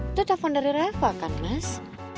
itu telepon dari reva kan mas